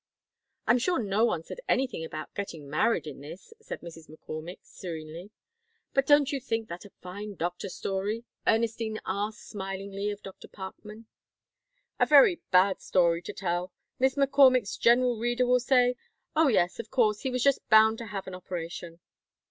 "I'm sure no one said anything about getting married in this," said Mrs. McCormick, serenely. "But don't you think that a fine doctor story?" Ernestine asked smilingly of Dr. Parkman. "A very bad story to tell. Miss McCormick's general reader will say : 'Oh yes, of course, he was just bound to have an operation.'"